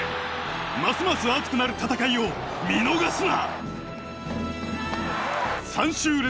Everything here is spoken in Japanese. ますます熱くなる戦いを見逃すな。